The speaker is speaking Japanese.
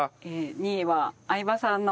２位は相葉さんの。